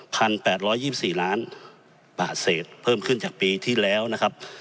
แปดร้อยยี่สิบสี่ล้านบาทเศษเพิ่มขึ้นจากปีที่แล้วนะครับ